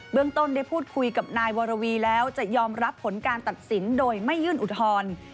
เรื่องต้นได้พูดคุยกับนายวรวีแล้วจะยอมรับผลการตัดสินโดยไม่ยื่นอุทธรณ์